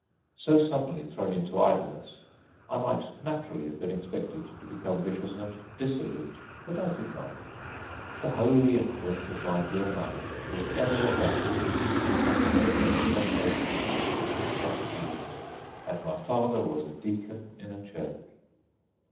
So suddenly thrown into idleness, I might naturally have been expected to become vicious and dissolute, but I did not. The holy influence of my dear mother was ever about me to protect me from the temptations which beset youth, and my father was a deacon in a church.